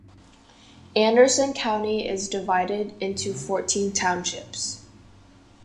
Anderson County is divided into fourteen townships.